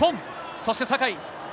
そして酒井。